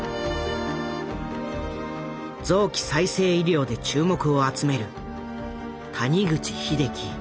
臓器再生医療で注目を集める谷口英樹。